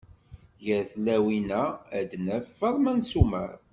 Gar tlawin-a ad naf: Faḍma n Summer.